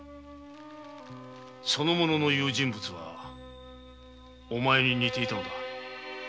その者の言う人物はお前に似ていたのだ。